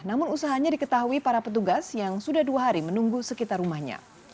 namun usahanya diketahui para petugas yang sudah dua hari menunggu sekitar rumahnya